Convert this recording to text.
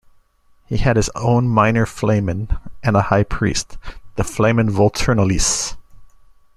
He had his own minor flamen, and a high priest, the "Flamen Volturnalis".